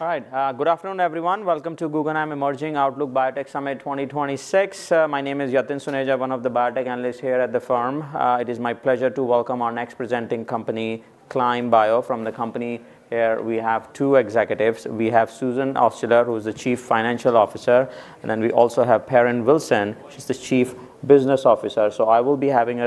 All right, good afternoon, everyone. Welcome to Guggenheim Emerging Outlook Biotech Summit 2026. My name is Yatin Suneja, one of the biotech analysts here at the firm. It is my pleasure to welcome our next presenting company, Climb Bio. From the company here, we have two executives. We have Susan Altschuller, who is the Chief Financial Officer, and then we also have Perrin Wilson, she's the Chief Business Officer. So I will be having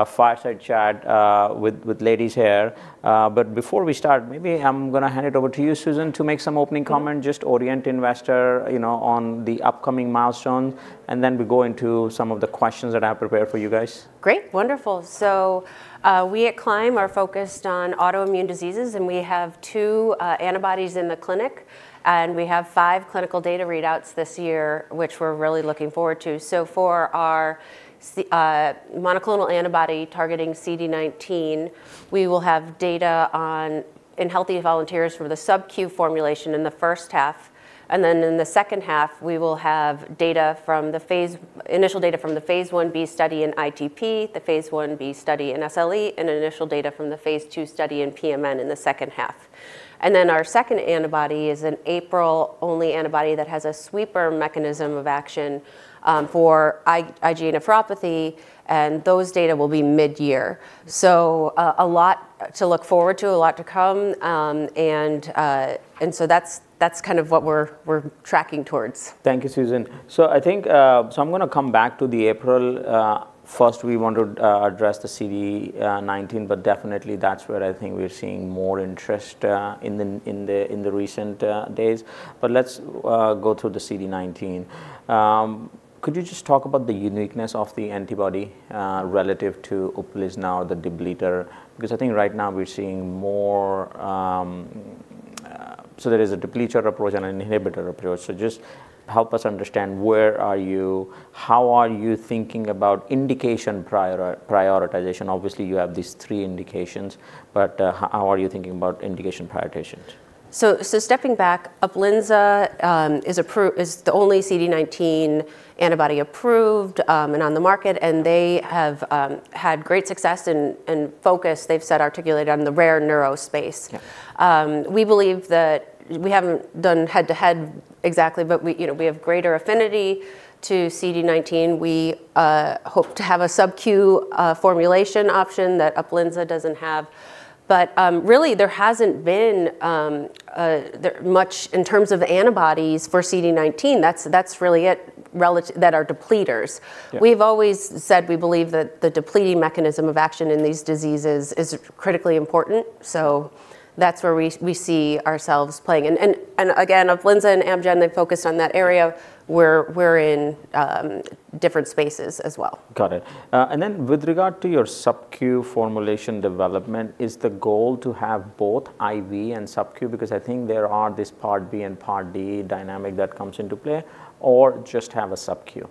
a fireside chat with ladies here. But before we start, maybe I'm gonna hand it over to you, Susan, to make some opening comment, just orient investor, you know, on the upcoming milestones, and then we go into some of the questions that I have prepared for you guys. Great, wonderful. So, we at Climb are focused on autoimmune diseases, and we have two antibodies in the clinic, and we have five clinical data readouts this year, which we're really looking forward to. So for our monoclonal antibody targeting CD19, we will have data on in healthy volunteers for the subq formulation in the first half, and then in the second half, we will have initial data from the phase 1b study in ITP, the phase 1b study in SLE, and initial data from the phase 2 study in PMN in the second half. And then our second antibody is an APRIL-only antibody that has a sweeper mechanism of action, for IgA nephropathy, and those data will be mid-year. So, a lot to look forward to, a lot to come, and... So that's kind of what we're tracking towards. Thank you, Susan. So I think, so I'm gonna come back to the APRIL. First we want to address the CD19, but definitely that's where I think we're seeing more interest in the recent days. But let's go through the CD19. Could you just talk about the uniqueness of the antibody relative to UPLIZNA, the depleter? Because I think right now we're seeing more... So there is a depleter approach and an inhibitor approach. So just help us understand, where are you? How are you thinking about indication prioritization? Obviously, you have these three indications, but how are you thinking about indication prioritizations? Stepping back, UPLIZNA is the only CD19 antibody approved and on the market, and they have had great success and focus; they've so articulated on the rare neuro space. Yeah. We believe that we haven't done head-to-head exactly, but we, you know, we have greater affinity to CD19. We hope to have a subQ formulation option that UPLIZNA doesn't have. But really, there hasn't been much in terms of antibodies for CD19, that's really it, relative- that are depleters. Yeah. We've always said we believe that the depleting mechanism of action in these diseases is critically important, so that's where we see ourselves playing. And again, UPLIZNA and Amgen, they focused on that area- Yeah... we're in different spaces as well. Got it. And then with regard to your subq formulation development, is the goal to have both IV and subq? Because I think there are this Part B and Part D dynamic that comes into play, or just have a subq?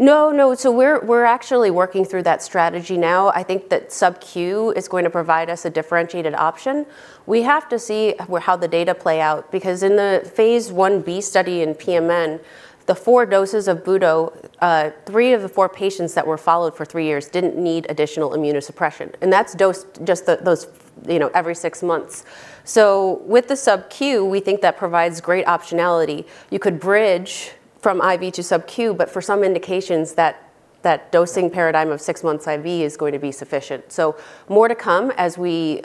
No, no. So we're, we're actually working through that strategy now. I think that subq is going to provide us a differentiated option. We have to see how the data play out, because in the phase 1b study in PMN, the four doses of budoprutug, three of the four patients that were followed for three years didn't need additional immunosuppression, and that's dosed just those, you know, every six months. So with the subq, we think that provides great optionality. You could bridge from IV to subq, but for some indications, that, that dosing paradigm of six months IV is going to be sufficient. So more to come as we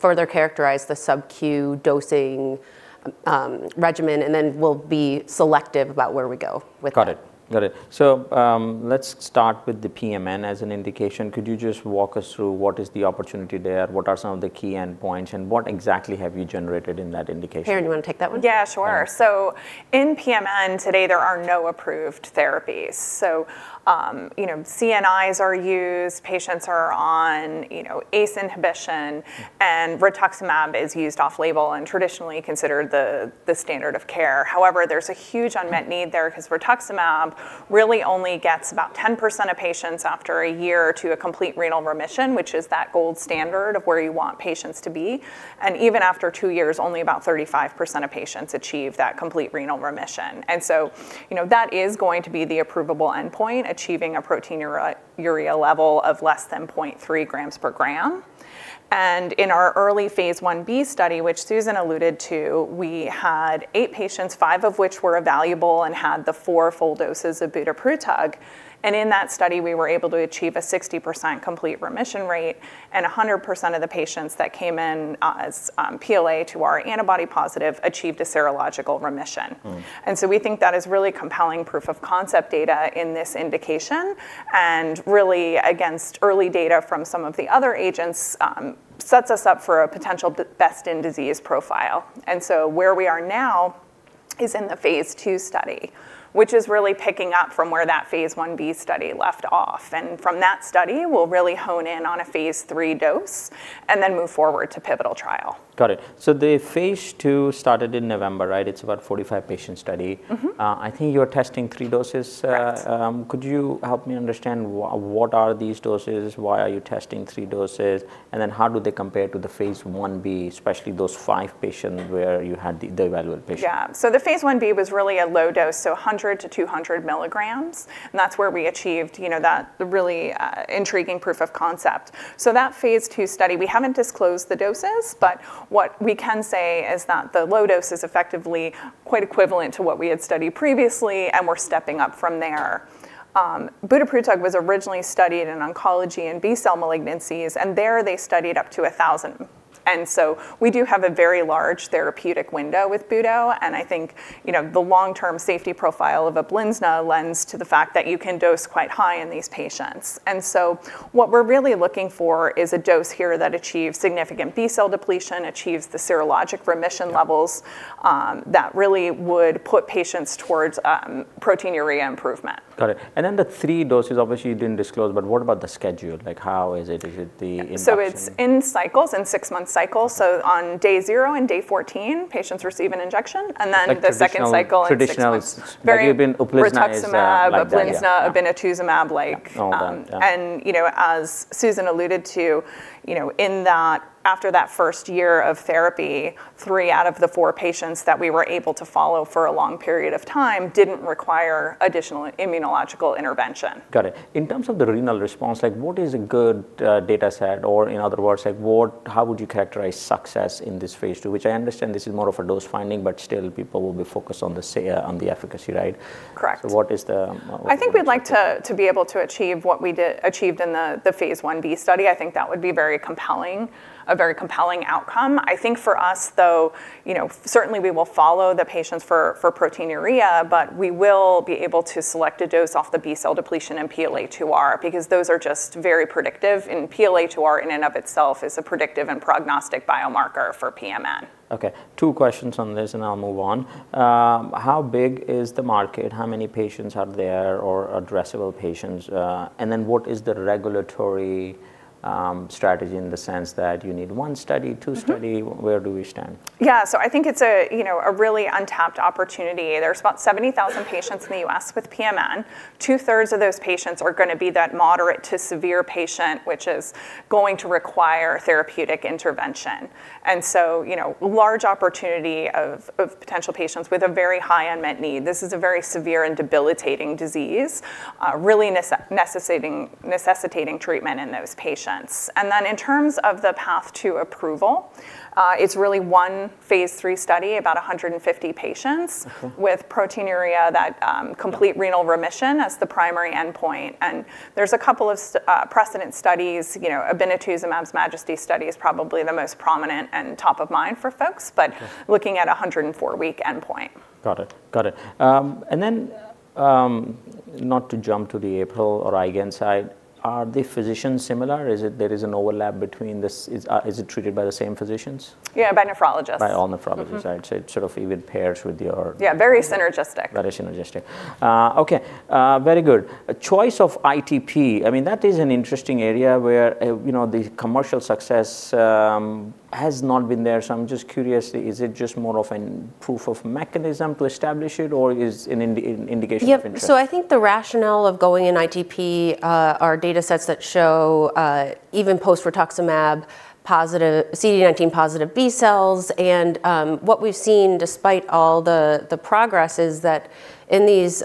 further characterize the subq dosing, regimen, and then we'll be selective about where we go with that. Got it. Got it. So, let's start with the PMN as an indication. Could you just walk us through what is the opportunity there, what are some of the key endpoints, and what exactly have you generated in that indication? Perrin, you wanna take that one? Yeah, sure. Yeah. In PMN today, there are no approved therapies. You know, CNIs are used, patients are on, you know, ACE inhibition-... and rituximab is used off-label and traditionally considered the standard of care. However, there's a huge unmet need there, 'cause rituximab really only gets about 10% of patients after 1 year to a complete renal remission, which is that gold standard of where you want patients to be. And even after 2 years, only about 35% of patients achieve that complete renal remission. And so, you know, that is going to be the approvable endpoint, achieving a proteinuria level of less than 0.3 grams per gram. And in our early phase 1b study, which Susan alluded to, we had 8 patients, 5 of which were evaluable and had the 4 full doses of budoprutug. In that study, we were able to achieve a 60% complete remission rate, and 100% of the patients that came in as PLA2R antibody positive achieved a serological remission. Mm. So we think that is really compelling proof of concept data in this indication, and really against early data from some of the other agents, sets us up for a potential best in disease profile. Where we are now is in the phase 2 study, which is really picking up from where that phase 1b study left off. From that study, we'll really hone in on a phase 3 dose, and then move forward to pivotal trial. Got it. The phase 2 started in November, right? It's about a 45-patient study. Mm-hmm. I think you're testing three doses. Right... could you help me understand what are these doses, why are you testing three doses, and then how do they compare to the phase 1b, especially those five patients where you had the evaluable patients? Yeah. So the phase 1b was really a low dose, so 100-200 milligrams, and that's where we achieved, you know, that, the really, intriguing proof of concept. So that phase 2 study, we haven't disclosed the doses, but what we can say is that the low dose is effectively quite equivalent to what we had studied previously, and we're stepping up from there. Budoprutug was originally studied in oncology and B-cell malignancies, and there, they studied up to 1,000-... And so we do have a very large therapeutic window with budo, and I think, you know, the long-term safety profile of UPLIZNA lends to the fact that you can dose quite high in these patients. And so what we're really looking for is a dose here that achieves significant B-cell depletion, achieves the serologic remission levels- Yeah. That really would put patients towards proteinuria improvement. Got it. And then the three doses, obviously, you didn't disclose, but what about the schedule? Like, how is it? Is it the injection? It's in cycles, in 6-month cycles. On day 0 and day 14, patients receive an injection, and then the second cycle in 6 months. Like traditional. Like you've been UPLIZNA, like that. rituximab, UPLIZNA, obinutuzumab like. Yeah, all done, yeah. You know, as Susan alluded to, you know, in that—after that first year of therapy, three out of the four patients that we were able to follow for a long period of time didn't require additional immunological intervention. Got it. In terms of the renal response, like, what is a good, data set? Or in other words, like, what, how would you characterize success in this phase two, which I understand this is more of a dose finding, but still people will be focused on the SA, on the efficacy, right? Correct. So what is the, I think we'd like to be able to achieve what we did—achieved in the phase 1b study. I think that would be very compelling, a very compelling outcome. I think for us, though, you know, certainly we will follow the patients for proteinuria, but we will be able to select a dose off the B-cell depletion and PLA2R, because those are just very predictive, and PLA2R in and of itself is a predictive and prognostic biomarker for PMN. Okay, two questions on this, and I'll move on. How big is the market? How many patients are there or addressable patients? And then what is the regulatory strategy in the sense that you need one study, two study? Where do we stand? Yeah. So I think it's a, you know, a really untapped opportunity. There's about 70,000 patients in the U.S. with PMN. Two-thirds of those patients are gonna be that moderate to severe patient, which is going to require therapeutic intervention. And so, you know, large opportunity of potential patients with a very high unmet need. This is a very severe and debilitating disease, really necessitating treatment in those patients. And then in terms of the path to approval, it's really one phase 3 study, about 150 patients- Mm-hmm... with proteinuria that complete renal remission as the primary endpoint. And there's a couple of precedent studies. You know, Obinutuzumab's Majesty study is probably the most prominent and top of mind for folks- Yeah... but looking at a 104-week endpoint. Got it. Got it. And then, not to jump to the APRIL or IgAN side, are the physicians similar? Is there an overlap between this? Is it treated by the same physicians? Yeah, by nephrologists. By all nephrologists. Mm-hmm. I'd say sort of even pairs with your- Yeah, very synergistic. Very synergistic. Okay, very good. A choice of ITP, I mean, that is an interesting area where, you know, the commercial success has not been there. So I'm just curious, is it just more of a proof of mechanism to establish it, or is an indication of interest? Yep. So I think the rationale of going in ITP are data sets that show even post rituximab positive, CD19-positive B cells. And what we've seen, despite all the progress, is that in these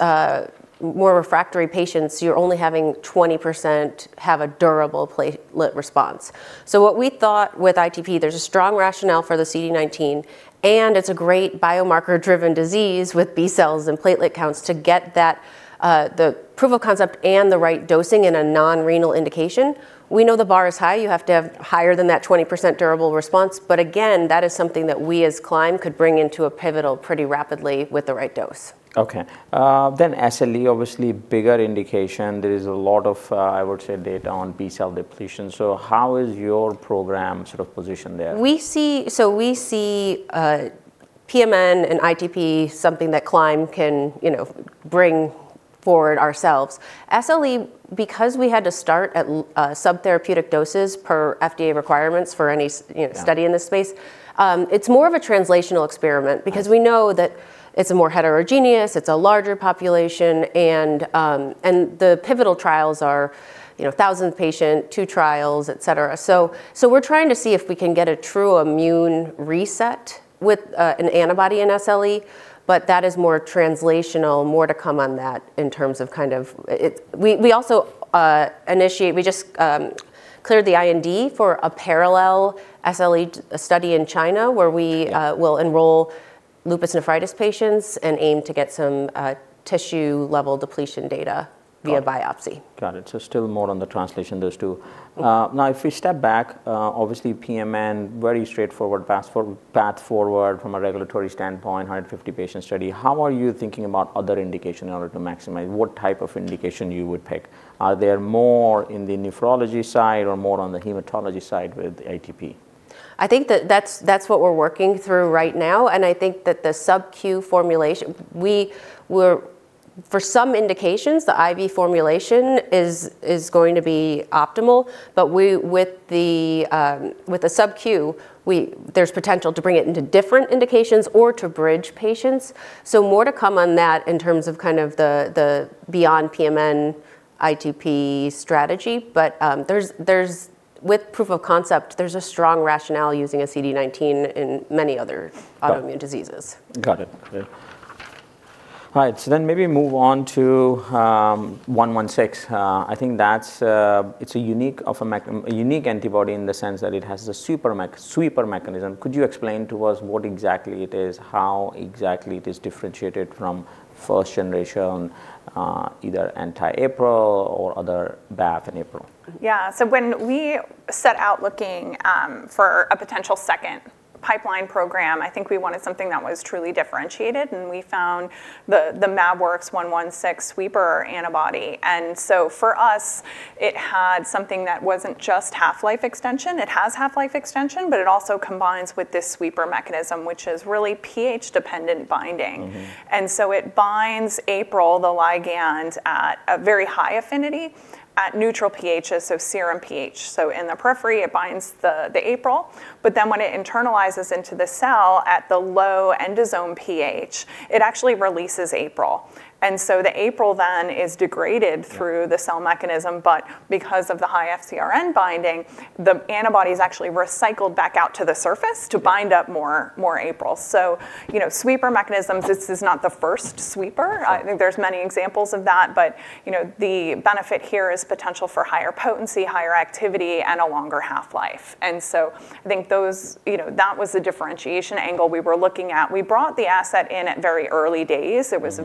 more refractory patients, you're only having 20% have a durable platelet response. So what we thought with ITP, there's a strong rationale for the CD19, and it's a great biomarker-driven disease with B cells and platelet counts to get that the proof of concept and the right dosing in a non-renal indication. We know the bar is high. You have to have higher than that 20% durable response. But again, that is something that we as Climb could bring into a pivotal pretty rapidly with the right dose. Okay. Then SLE, obviously, bigger indication. There is a lot of, I would say, data on B-cell depletion. So how is your program sort of positioned there? We see, so we see PMN and ITP, something that Climb can, you know, bring forward ourselves. SLE, because we had to start at subtherapeutic doses per requirements for any you know- Yeah... study in this space, it's more of a translational experiment- Okay... because we know that it's a more heterogeneous, it's a larger population, and, and the pivotal trials are, you know, 1,000-patient, two trials, et cetera. So, we're trying to see if we can get a true immune reset with an antibody in SLE, but that is more translational, more to come on that in terms of kind of... We also just cleared the IND for a parallel SLE study in China, where we- Okay... will enroll lupus nephritis patients and aim to get some, tissue-level depletion data- Got it... via biopsy. Got it. So still more on the translation, those two. Mm-hmm. Now, if we step back, obviously, PMN, very straightforward, path forward, path forward from a regulatory standpoint, 150 patient study. How are you thinking about other indication in order to maximize? What type of indication you would pick? Are there more in the nephrology side or more on the hematology side with the ITP? I think that's what we're working through right now, and I think that the sub-Q formulation—for some indications, the IV formulation is going to be optimal, but with the sub-Q, there's potential to bring it into different indications or to bridge patients. So more to come on that in terms of kind of the beyond PMN, ITP strategy. But, with proof of concept, there's a strong rationale using a CD19 in many other- Got it... autoimmune diseases. Got it. Yeah. All right, so then maybe move on to 116. I think that's a unique antibody in the sense that it has a sweeper mechanism. Could you explain to us what exactly it is, how exactly it is differentiated from first generation either anti-APRIL or other BAFF and APRIL? Yeah. So when we set out looking for a potential second pipeline program, I think we wanted something that was truly differentiated, and we found the Mabworks 116 sweeper antibody. So for us, it had something that wasn't just half-life extension. It has half-life extension, but it also combines with this sweeper mechanism, which is really pH-dependent binding. Mm-hmm. It binds APRIL, the ligand, at a very high affinity at neutral pH, so serum pH. In the periphery, it binds the APRIL, but then when it internalizes into the cell at the low endosome pH, it actually releases APRIL. And so the APRIL then is degraded- Yeah... through the cell mechanism, but because of the high FcRn binding, the antibody is actually recycled back out to the surface- Yeah to bind up more, more APRIL. So, you know, sweeper mechanisms, this is not the first sweeper. Yeah. I think there's many examples of that, but, you know, the benefit here is potential for higher potency, higher activity, and a longer half-life. And so I think those, you know, that was the differentiation angle we were looking at. We brought the asset in at very early days. Mm-hmm. It was a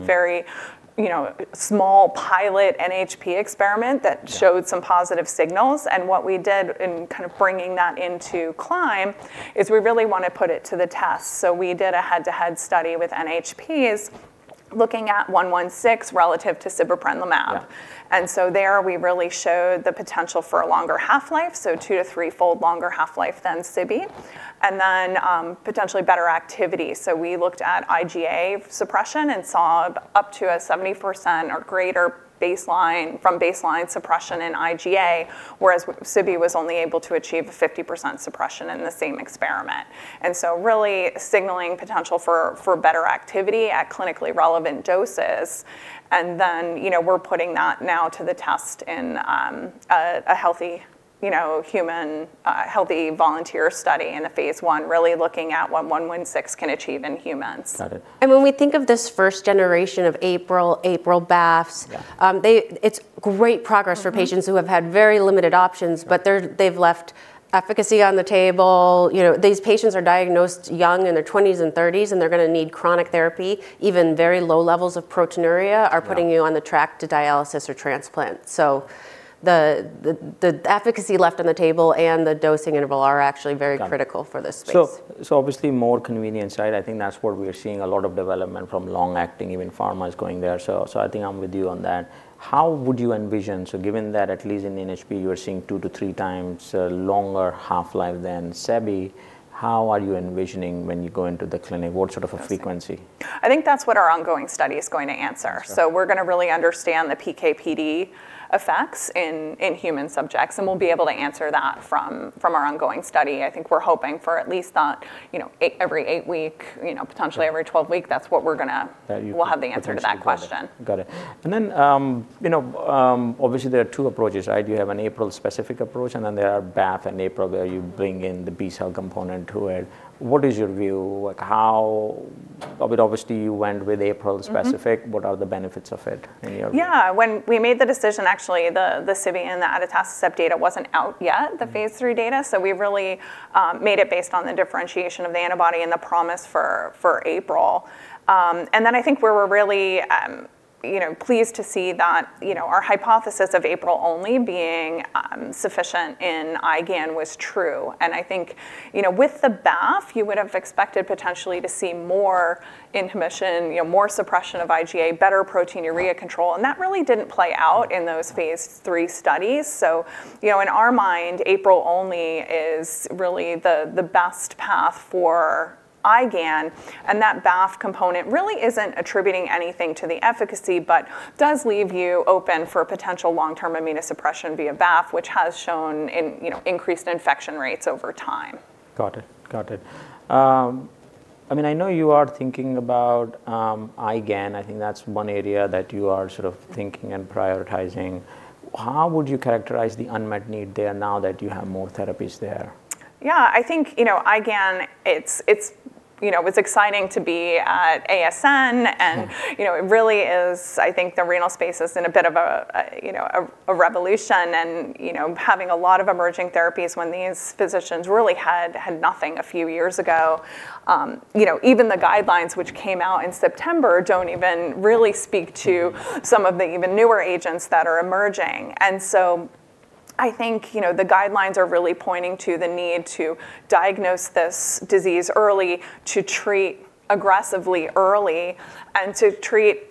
very, you know, small pilot NHP experiment that- Yeah... showed some positive signals, and what we did in kind of bringing that into Climb is we really want to put it to the test. So we did a head-to-head study with NHPs, looking at 116 relative to sibeprenlimab. Yeah. And so there, we really showed the potential for a longer half-life, so two- to threefold longer half-life than Sibi, and then, potentially better activity. So we looked at IgA suppression and saw up to a 70% or greater baseline, from baseline suppression in IgA, whereas Sibi was only able to achieve a 50% suppression in the same experiment. And so really signaling potential for, for better activity at clinically relevant doses. And then, you know, we're putting that now to the test in, a, a healthy, you know, human, healthy volunteer study in a phase 1, really looking at what 116 can achieve in humans. Got it. When we think of this first generation of APRIL, APRIL BAFFs- Yeah. It's great progress- Mm-hmm... for patients who have had very limited options, but they've left efficacy on the table. You know, these patients are diagnosed young, in their twenties and thirties, and they're gonna need chronic therapy. Even very low levels of proteinuria are- Yeah... putting you on the track to dialysis or transplant. So the efficacy left on the table and the dosing interval are actually very critical- Got it... for this space. So, obviously, more convenience, right? I think that's where we are seeing a lot of development from long-acting, even pharma is going there. So, I think I'm with you on that. How would you envision... So given that at least in NHP, you are seeing 2-3 times longer half-life than Sibi, how are you envisioning when you go into the clinic? What sort of a frequency? I think that's what our ongoing study is going to answer. Okay. So we're gonna really understand the PK/PD effects in human subjects, and we'll be able to answer that from our ongoing study. I think we're hoping for at least that, you know, every 8 week, you know, potentially every 12 week, that's what we're gonna- That you- We'll have the answer to that question. Got it. And then, you know, obviously, there are two approaches, right? You have an APRIL-specific approach, and then there are BAFF and APRIL, where you bring in the B-cell component to it. What is your view? Like, how... But obviously, you went with APRIL-specific. Mm-hmm. What are the benefits of it in your view? Yeah. When we made the decision, actually, the sibeprenlimab and the atacicept data wasn't out yet, the phase III data. Mm-hmm. So we really made it based on the differentiation of the antibody and the promise for APRIL. And then I think we were really you know pleased to see that you know our hypothesis of APRIL only being sufficient in IgAN was true. And I think you know with the BAFF you would have expected potentially to see more inflammation you know more suppression of IgA better proteinuria control and that really didn't play out in those phase III studies. So you know in our mind APRIL only is really the the best path for IgAN and that BAFF component really isn't attributing anything to the efficacy but does leave you open for potential long-term immunosuppression via BAFF which has shown in you know increased infection rates over time. Got it. Got it. I mean, I know you are thinking about IgAN. I think that's one area that you are sort of thinking and prioritizing. How would you characterize the unmet need there now that you have more therapies there? Yeah, I think, you know, IgAN, it's exciting to be at ASN, and you know, it really is. I think the renal space is in a bit of a revolution, and you know, having a lot of emerging therapies when these physicians really had nothing a few years ago. You know, even the guidelines which came out in September don't even really speak to some of the even newer agents that are emerging. And so I think, you know, the guidelines are really pointing to the need to diagnose this disease early, to treat aggressively early, and to treat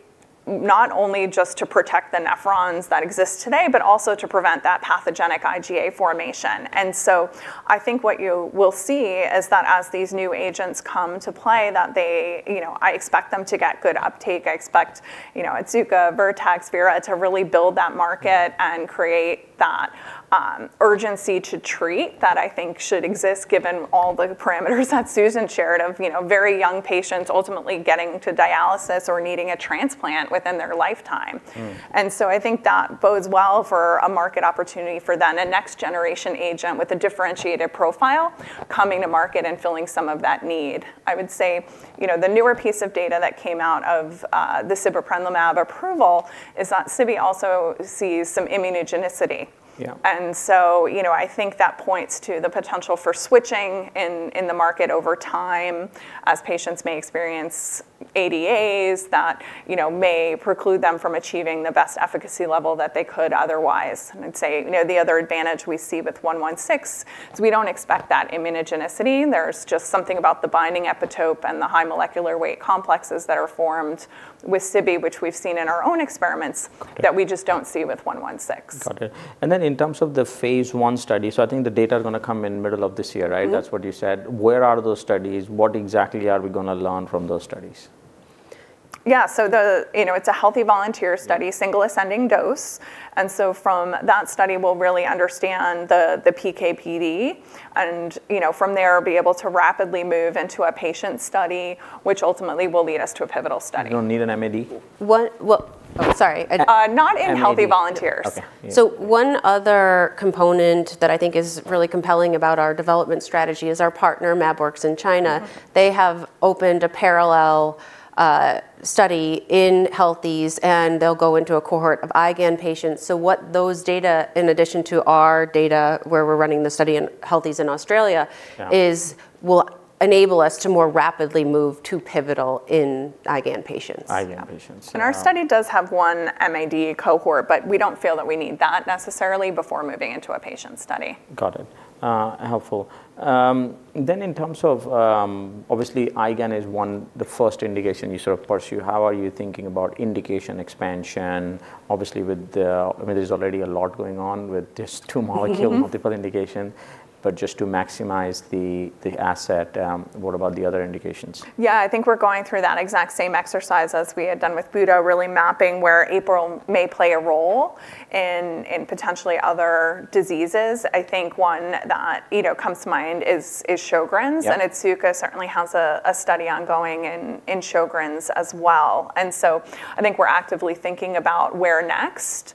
not only just to protect the nephrons that exist today, but also to prevent that pathogenic IgA formation. And so I think what you will see is that as these new agents come to play, that they, you know, I expect them to get good uptake. I expect, you know, Otsuka,, Vera, to really build that market and create that urgency to treat, that I think should exist, given all the parameters that Susan shared of, you know, very young patients ultimately getting to dialysis or needing a transplant within their lifetime. And so I think that bodes well for a market opportunity for then a next-generation agent with a differentiated profile coming to market and filling some of that need. I would say, you know, the newer piece of data that came out of the sibeprenlimab approval is that Sibi also sees some immunogenicity. Yeah. And so, you know, I think that points to the potential for switching in the market over time, as patients may experience ADAs that, you know, may preclude them from achieving the best efficacy level that they could otherwise. I'd say, you know, the other advantage we see with 116 is we don't expect that immunogenicity. There's just something about the binding epitope and the high molecular weight complexes that are formed with sibeprenlimab, which we've seen in our own experiments- Got it... that we just don't see with CLYM116. Got it. And then in terms of the phase 1 study, so I think the data is gonna come in middle of this year, right? That's what you said. Where are those studies? What exactly are we gonna learn from those studies? ... Yeah, so the, you know, it's a healthy volunteer study, single ascending dose, and so from that study, we'll really understand the PK/PD, and, you know, from there, be able to rapidly move into a patient study, which ultimately will lead us to a pivotal study. You don't need an MAD? Well, sorry, I- Not in healthy volunteers. Okay. Yeah. So one other component that I think is really compelling about our development strategy is our partner, Mabworks, in China. Mm-hmm. They have opened a parallel study in healthies, and they'll go into a cohort of IgAN patients. So what those data, in addition to our data, where we're running the study in healthies in Australia- Yeah This will enable us to more rapidly move to pivotal in IgAN patients. IgAN patients. Yeah. Yeah. Our study does have one MID cohort, but we don't feel that we need that necessarily before moving into a patient study. Got it. Helpful. Then in terms of, obviously, IgAN is one, the first indication you sort of pursue. How are you thinking about indication expansion? Obviously, with the... I mean, there's already a lot going on with just two molecules-... multiple indication, but just to maximize the, the asset, what about the other indications? Yeah, I think we're going through that exact same exercise as we had done with budoprutug, really mapping where APRIL may play a role in, in potentially other diseases. I think one that, you know, comes to mind is, is Sjögren's- Yeah... and Otsuka certainly has a study ongoing in Sjögren's as well, and so I think we're actively thinking about where next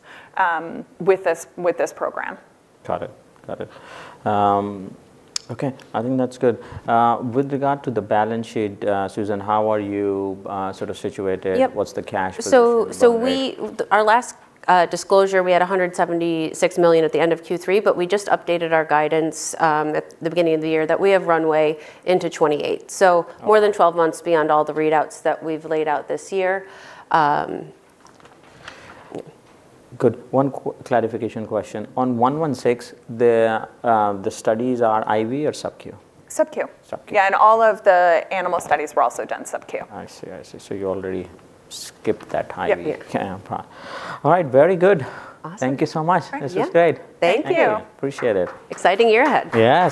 with this program. Got it. Got it. Okay, I think that's good. With regard to the balance sheet, Susan, how are you sort of situated? Yep. What's the cash for the- So, we runway? Our last disclosure, we had $176 million at the end of Q3, but we just updated our guidance at the beginning of the year that we have runway into 2028. Okay. More than 12 months beyond all the readouts that we've laid out this year. Good. One clarification question: On 116, the studies are IV or subQ? SubQ. SubQ. Yeah, and all of the animal studies were also done subQ. I see. I see. So you already skipped that IV- Yep... yeah, part. All right, very good. Awesome. Thank you so much. Right. Yeah. This was great. Thank you. Thank you. Appreciate it. Exciting year ahead. Yeah.